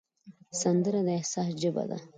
سندره د احساس ژبه ده